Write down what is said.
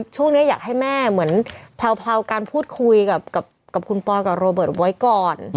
ช่วงนี้อยากให้แม่เหมือนเผลาการพูดคุยกับคุณปอยกับโรเบิร์ตไว้ก่อน